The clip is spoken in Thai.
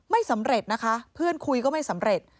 ไม่สำเร็จนะคะเพื่อนคุยก็ไม่สำเร็จ